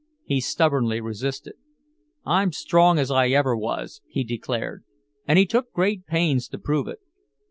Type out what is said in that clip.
He stubbornly resisted. "I'm strong as I ever was," he declared, and he took great pains to prove it.